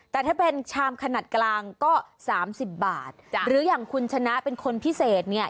แต่ถ้าเป็นชามขนาดกลางก็สามสิบบาทหรืออย่างคุณชนะเป็นคนพิเศษเนี่ย